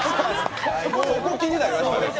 そこ気になりましたけど。